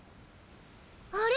あれ？